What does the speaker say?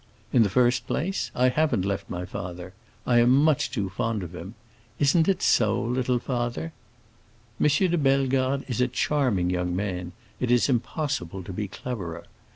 In the first place, I haven't left my father; I am much too fond of him. Isn't it so, little father? M. de Bellegarde is a charming young man; it is impossible to be cleverer.